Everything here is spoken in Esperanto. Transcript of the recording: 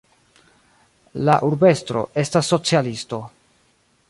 La urbestro estas socialisto.